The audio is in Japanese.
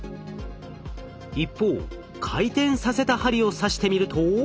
一方回転させた針を刺してみると。